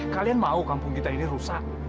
kalian mau kampung kita ini rusak